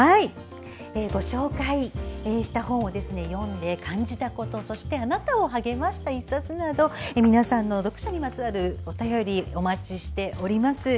ご紹介した本を読んで感じたことそしてあなたを励ました一冊など皆さんの読書にまつわるお便りお待ちしております。